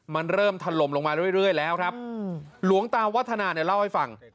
มันเริ่มถล่มลงมาเรื่อยแล้วครับหลวงตาวัฒนาเนี่ยเล่าให้ฟัง